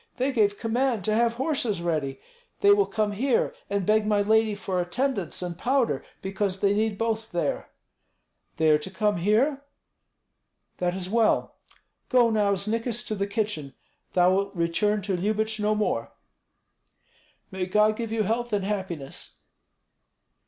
They gave command to have horses ready. They will come here and beg my lady for attendants and powder, because they need both there." "They are to come here? That is well. Go now, Znikis, to the kitchen. Thou wilt return to Lyubich no more." "May God give you health and happiness!"